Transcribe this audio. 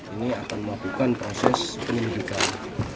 ini akan melakukan proses penyelidikan